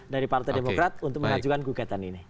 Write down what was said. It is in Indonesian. dari partai demokrat untuk mengajukan gugatan ini